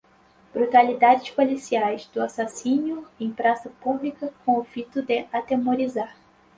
brutalidades policiais, do assassínio em praça pública, com o fito de atemorizar